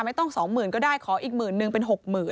ไม่ต้อง๒๐๐๐๐ก็ได้ขออีก๑๐๐๐๐เป็น๖๐๐๐๐